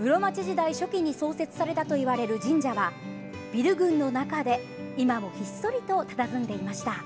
室町時代初期に創設されたといわれる神社はビル群の中で、今もひっそりとたたずんでいました。